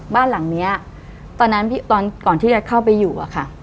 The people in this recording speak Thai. บ้านหลังนี้ก่อนที่เราเข้าไปอยู่